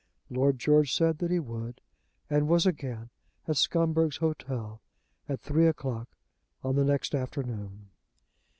Lord George said that he would, and was again at Scumberg's Hotel at three o'clock on the next afternoon.